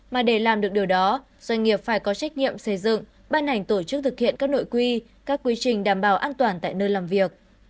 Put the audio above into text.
mà để làm được điều đó doanh nghiệp phải có trách nhiệm xây dựng ban hành tổ chức thực hiện các nội quy các quy trình đảm bảo an toàn tại nơi làm việc